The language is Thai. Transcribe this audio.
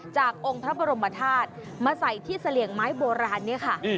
จากองค์พระบรมธาตุมาใส่ที่เสลี่ยงไม้โบราณเนี่ยค่ะ